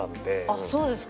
あっそうですか。